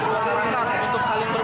untuk saling berbagi